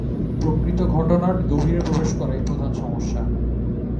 প্রকৃত ঘটনার গভীরে প্রবেশ করাই প্রধান সমস্যা।